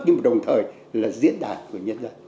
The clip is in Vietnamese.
nhưng đồng thời là diễn đàn của nhân dân